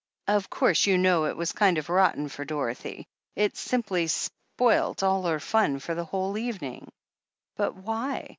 "Of course, you know, it was kind of rotten for Dorothy. It simply spoilt all her ftm for the whole evening." "But why?"